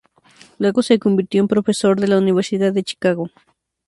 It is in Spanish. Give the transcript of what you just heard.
Luego se convirtió en profesor de la Universidad de Chicago.